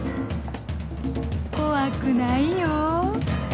怖くないよ